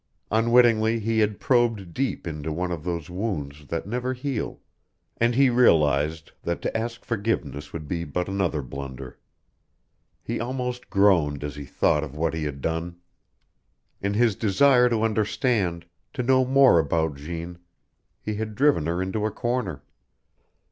Unwittingly he had probed deep into one of those wounds that never heal, and he realized that to ask forgiveness would be but another blunder. He almost groaned as he thought of what he had done. In his desire to understand, to know more about Jeanne, he had driven her into a corner.